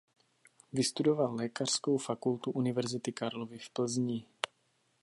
Vystudoval Lékařskou fakultu Univerzity Karlovy v Plzni.